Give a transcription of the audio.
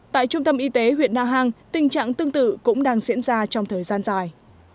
tại trung tâm y tế huyện na hàng tình trạng tương tự cũng đang diễn ra trong thời gian dài